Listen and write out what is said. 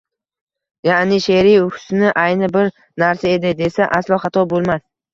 ya’ni she’riy husni ayni bir narsa edi desa aslo xato bo’lmas.